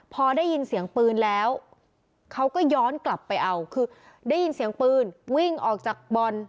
พอได้ยินเสียงปืนแล้วเขาก็ย้อนกลับไปเอาคือได้ยินเสียงปืนวิ่งออกจากบอล